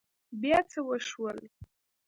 بيا څه وشول؟